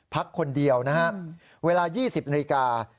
พักคนเดียวนะฮะเวลา๒๐นาฬิกา